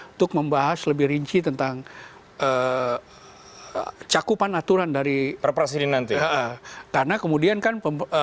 untuk membahas lebih rinci tentang cakupan aturan dari perpres ini nanti karena kemudian kan